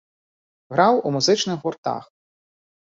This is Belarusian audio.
Граў у музычных гуртах.